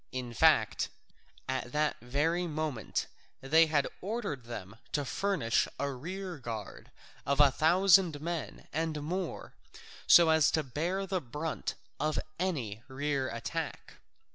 In fact, at that very moment they had ordered them to furnish a rear guard of a thousand men and more, so as to bear the brunt of any rear attack.